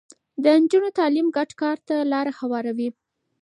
د نجونو تعليم ګډ کار ته لاره هواروي.